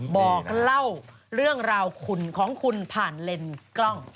บอกเล่าเรื่องราวคุณของคุณผ่านเลนส์กล้อง